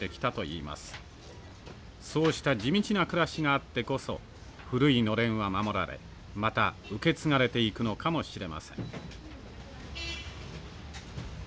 そうした地道な暮らしがあってこそ古いのれんは守られまた受け継がれていくのかもしれません。